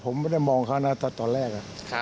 ผมไม่ได้มองเขานะตอนแรก